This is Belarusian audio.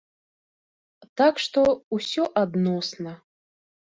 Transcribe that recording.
Так што, усё адносна.